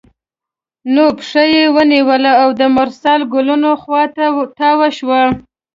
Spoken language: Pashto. نو پښه یې ونیوله او د مرسل ګلونو خوا ته تاوه شوه.